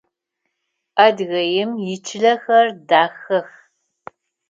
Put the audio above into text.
Адыгеим ичылэхэр дахэх.